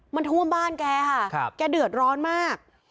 มันท่วมบ้านแกค่ะแกเดือดร้อนมาก